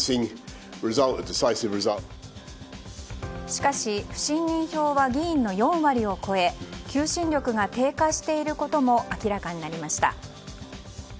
しかし、不信任票は議員の４割を超え求心力が低下していることも明らかになりました。